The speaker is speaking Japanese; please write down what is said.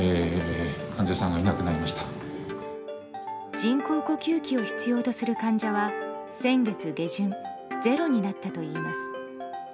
人工呼吸器を必要とする患者は先月下旬ゼロになったといいます。